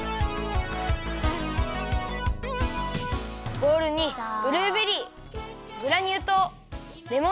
ボウルにブルーベリーグラニューとうレモン